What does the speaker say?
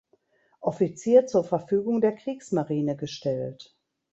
Offizier zur Verfügung der Kriegsmarine gestellt.